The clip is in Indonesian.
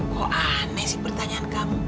kok aneh sih pertanyaan kamu